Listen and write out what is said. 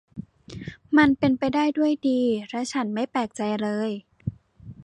มันเป็นไปได้ด้วยดี และฉันไม่แปลกใจเลย